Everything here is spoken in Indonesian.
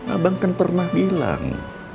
abang kan pernah bilang